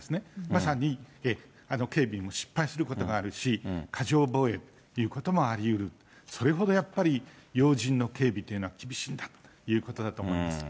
まさに警備も失敗することもあるし、過剰防衛ということもありうる、それほどやっぱり、要人の警備というのは厳しいんだっていうことだと思います。